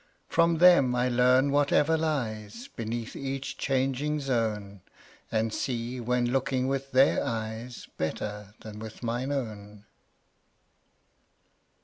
From them I learn whatever lies Beneath each changing zone, And see, when looking with their eyes, 35 Better than with mine own.